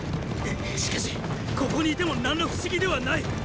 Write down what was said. しかしここにいても何ら不思議ではない！